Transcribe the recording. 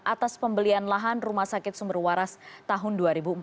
atas pembelian lahan rumah sakit sumber waras tahun dua ribu empat